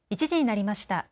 １時になりました。